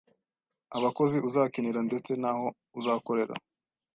abakozi uzakenera ndetse n’aho uzakorera